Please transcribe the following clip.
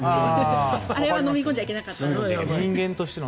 あれは飲み込んじゃいけなかった。